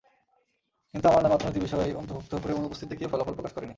কিন্তু আমার নামে অর্থনীতি বিষয় অন্তর্ভুক্ত করে অনুপস্থিত দেখিয়ে ফলাফল প্রকাশ করেনি।